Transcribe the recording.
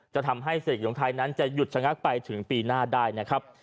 จะทำให้เสกยงไทยนั้นจะหยุดชะงักไปถึงปีหน้าได้นะครับ